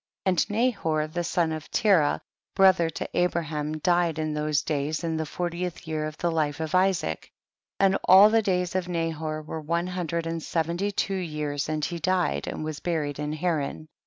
27. And Nahor the son of Terah, brother to Abraham, died in those days in the fortieth year of the life of Isaac, and all the days of Nahor were one hundred and seventy two years and he died and was buried in llaran.